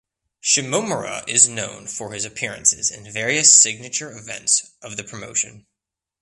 Shimomura is known for his appearances in various signature events of the promotion.